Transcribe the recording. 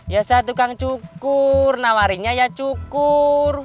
ya saya tukang cukur nawarinya ya cukur